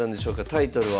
タイトルは。